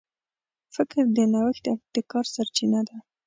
فکر د نوښت او ابتکار سرچینه ده.